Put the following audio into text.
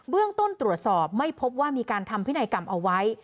เรื่องต้นตรวจสอบไม่พบว่ามีการทำพินัยกรรมเอาไว้